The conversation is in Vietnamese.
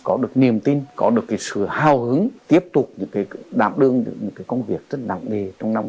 để có được niềm tin có được cái sự hào hứng tiếp tục đảm đương những cái công việc rất đặc biệt trong năm hai nghìn hai mươi hai